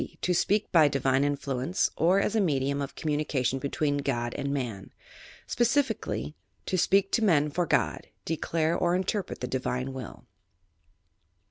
To speak by divine influence, or as a medium of communication between God and Man. Specifically : To apeak to men for God) declare or interpret the divine will.